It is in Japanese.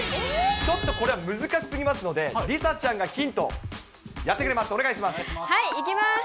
ちょっと、これは難しすぎますので、梨紗ちゃんがヒント、やってくれます、お願いします。